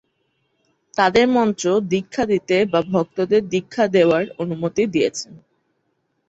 তাদের মন্ত্র দীক্ষা দিতে বা ভক্তদের দীক্ষা দেওয়ার অনুমতি দিয়েছেন।